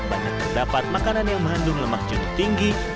banyak yang dapat makanan yang mengandung lemak judul tinggi